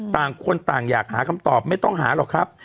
ต่างคนต่างอยากหาคำตอบไม่ต้องหาหรอกครับ